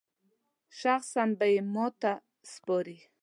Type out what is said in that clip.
شخصاً به یې ماته سپاري.